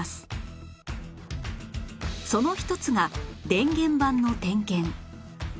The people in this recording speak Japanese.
その一つが電源盤の点検